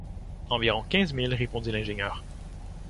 Environ quinze milles, répondit l’ingénieur.